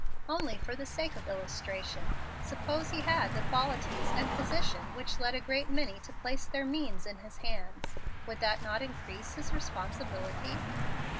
"Only for the sake of illustration. Suppose he had the qualities and position which led a great many to place their means in his hands; would that not increase his responsibility?"